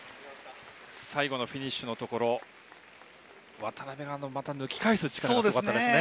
最後のフィニッシュのところ渡辺がまた抜き返す力がすごかったですね。